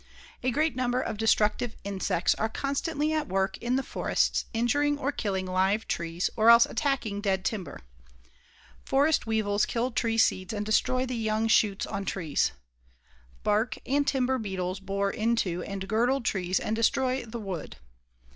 A great number of destructive insects are constantly at work in the forests injuring or killing live trees or else attacking dead timber. Forest weevils kill tree seeds and destroy the young shoots on trees. Bark and timber beetles bore into and girdle trees and destroy the wood.